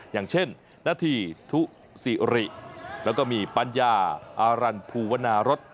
อย่างเช่นนาธีทุศิริแล้วก็มีปัญญาอารันภูวนารส